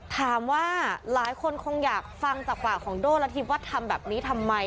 ถามว่าหลายคนคงอยากฟังจากปากของโด้ละทิพย์ว่าทำแบบนี้ทำไม